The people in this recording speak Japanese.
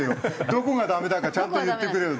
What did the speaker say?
どこがダメだかちゃんと言ってくれよ。